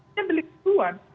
ini delik aduan